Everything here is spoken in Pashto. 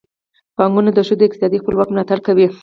بانکونه د ښځو د اقتصادي خپلواکۍ ملاتړ کوي.